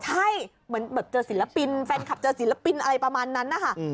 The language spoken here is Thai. ใช่เหมือนแบบเจอศิลปินแฟนคลับเจอศิลปินอะไรประมาณนั้นนะคะ